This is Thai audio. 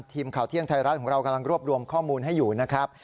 ทีมข่าวเที่ยงไทยรัฐของเรากำลังรวบรวมข้อมูลให้อยู่นะครับ